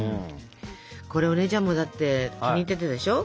これお姉ちゃんもだって気に入ってたでしょ？